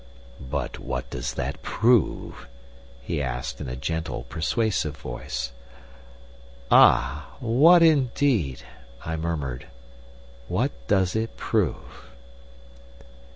"But what does that prove?" he asked, in a gentle, persuasive voice. "Ah, what indeed?" I murmured. "What does it prove?"